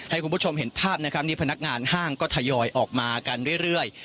ให้คุณผู้ชมเห็นภาพนะครับนี่พนักงานห้างก็ทยอยออกมากันเรื่อย